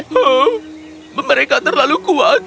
huh mereka terlalu kuat